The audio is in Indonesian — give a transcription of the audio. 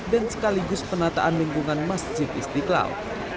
dan sekaligus penataan lingkungan masjid istiqlal